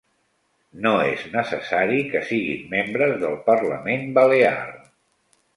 No és necessari que siguin membres del Parlament Balear.